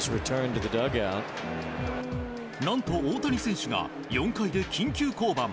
何と、大谷選手が４回で緊急降板。